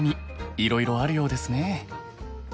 いろいろあるようですね。